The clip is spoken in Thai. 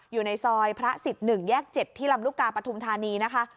อยู่ในซอยพระสิทธิ์๑แยก๗ที่ลำลูกกาปฐุมธานีนะคะ